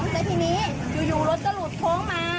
แล้วทีนี้อยู่รถก็หลุดโค้งมา